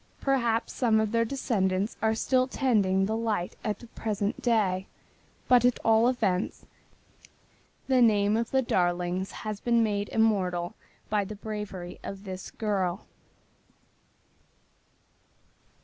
Perhaps some of their descendants are still tending the light at the present day, but at all events the name of the Darlings has been made immortal by the bravery of this girl.